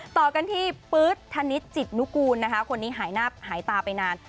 ต่อกันที่ปื๊ดธนิจจิตนุกูลนะคะคนนี้หายตาไปนาน